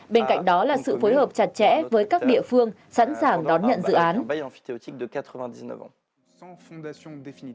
bên cạnh đó là sự phối hợp chặt chẽ với các địa phương sẵn sàng đón nhận dự án